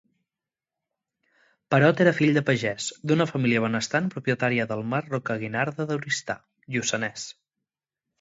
Perot era fill de pagès, d'una família benestant propietària del mas Rocaguinarda d'Oristà, Lluçanès.